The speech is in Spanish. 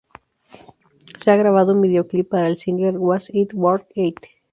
Se ha grabado un videoclip para el single "Was It Worth It?